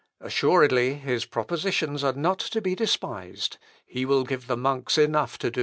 Assuredly his propositions are not to be despised; he will give the monks enough to do."